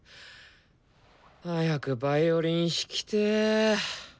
早くヴァイオリン弾きてぇ。